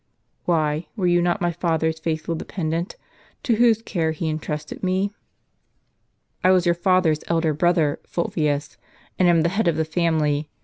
"Why, were you not my father's faithful dependant, to whose care he intrusted me? "" I was your father's elder brother, Fulvius, and am the head of the family.